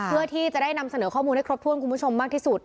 เพื่อที่จะได้นำเสนอข้อมูลให้ครบถ้วนคุณผู้ชมมากที่สุด